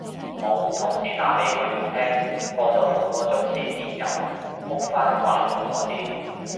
冇，同事打畀佢冇聽，過咗半個鐘先電郵覆返話中咗招